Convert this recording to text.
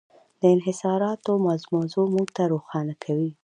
د انحصاراتو موضوع موږ ته روښانه کوي.